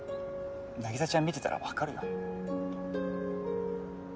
凪沙ちゃん見てたらわかるよ。